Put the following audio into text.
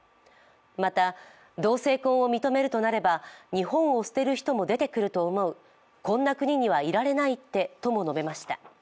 また、同性婚を認めるとなれば、日本を捨てる人も出てくると思う、こんな国にはいられないってとも述べました。